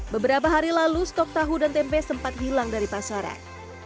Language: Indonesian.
beberapa hari lalu stok tahu dan tempe sempat hilang dari pasaran